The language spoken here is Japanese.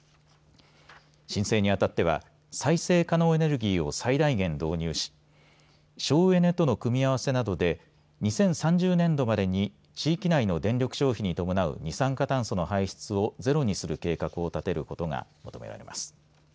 申請にあたっては再生可能エネルギーを最大限導入し省エネとの組み合わせなどで２０３０年度までに地域内の電力消費に伴う二酸化炭素の排出をゼロにする計画を立てることが求められます。